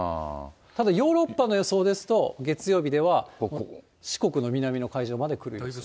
ただヨーロッパの予想ですと、月曜日では四国の南の海上まで来る予想。